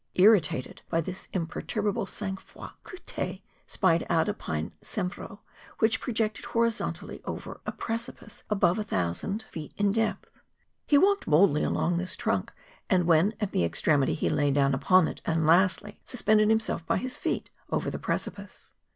Irritated by this imperturbable saTi^r frolcl, Couttet spied out a pine cemhro which pro¬ jected horizontally over a precipice above a thousand 22 MOUNTAIN ADVENTURES. feet in depth; he walked boldly along this trunk, and when at the extremity he lay down upon it, and lastly, suspended himself by his feet over the pre¬ cipice.